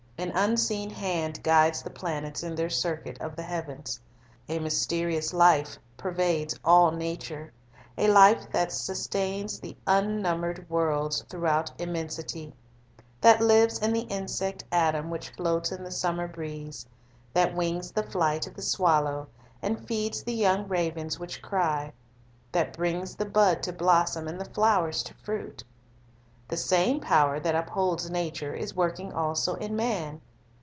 An unseen hand guides the planets in their circuit of the heavens. A mysterious life pervades all nature, — a life that sustains the unnumbered worlds throughout immensity; that lives in the insect atom which floats in the summer breeze; that wings the flight of the swallow, and feeds the young ravens which cry; that brings the bud to blossom, and the flower to fruit. The same power that upholds nature, is working also in man.